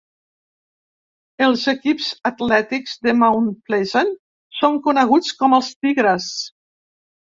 Els equips atlètics de Mount Pleasant són coneguts com els "Tigres".